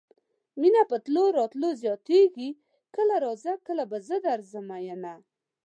مينه په تلو راتلو زياتيږي کله راځه کله به زه درځم مينه